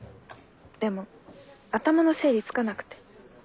でも頭の整理つかなくて。